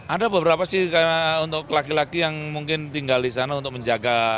ada beberapa sih karena untuk laki laki yang mungkin tinggal di sana untuk menjaga